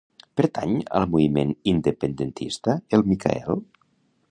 Pertany al moviment independentista el Micael?